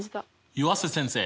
湯浅先生